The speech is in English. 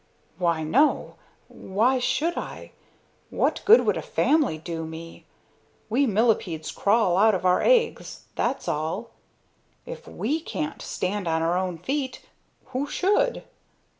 "Why, no! Why should I? What good would a family do me? We millepeds crawl out of our eggs; that's all. If we can't stand on our own feet, who should?"